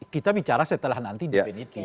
kita bicara setelah nanti di penitin